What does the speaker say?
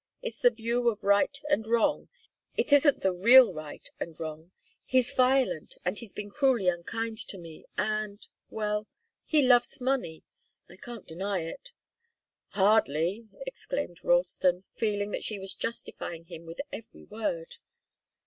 It's the view of right and wrong, it isn't the real right and wrong. He's violent, and he's been cruelly unkind to me, and well he loves money. I can't deny it." "Hardly!" exclaimed Ralston, feeling that she was justifying him with every word.